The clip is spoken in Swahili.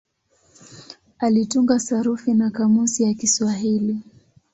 Alitunga sarufi na kamusi ya Kiswahili.